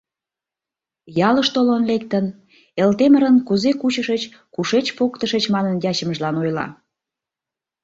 — Ялыш толын лектын, — Элтемырын кузе кучышыч, кушеч поктышыч манын ячымыжлан ойла.